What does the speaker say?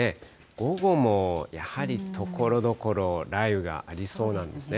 午後もやはりところどころ、雷雨がありそうなんですね。